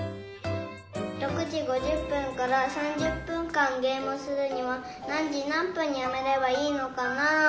６時５０分から３０分間ゲームをするには何時何分にやめればいいのかな？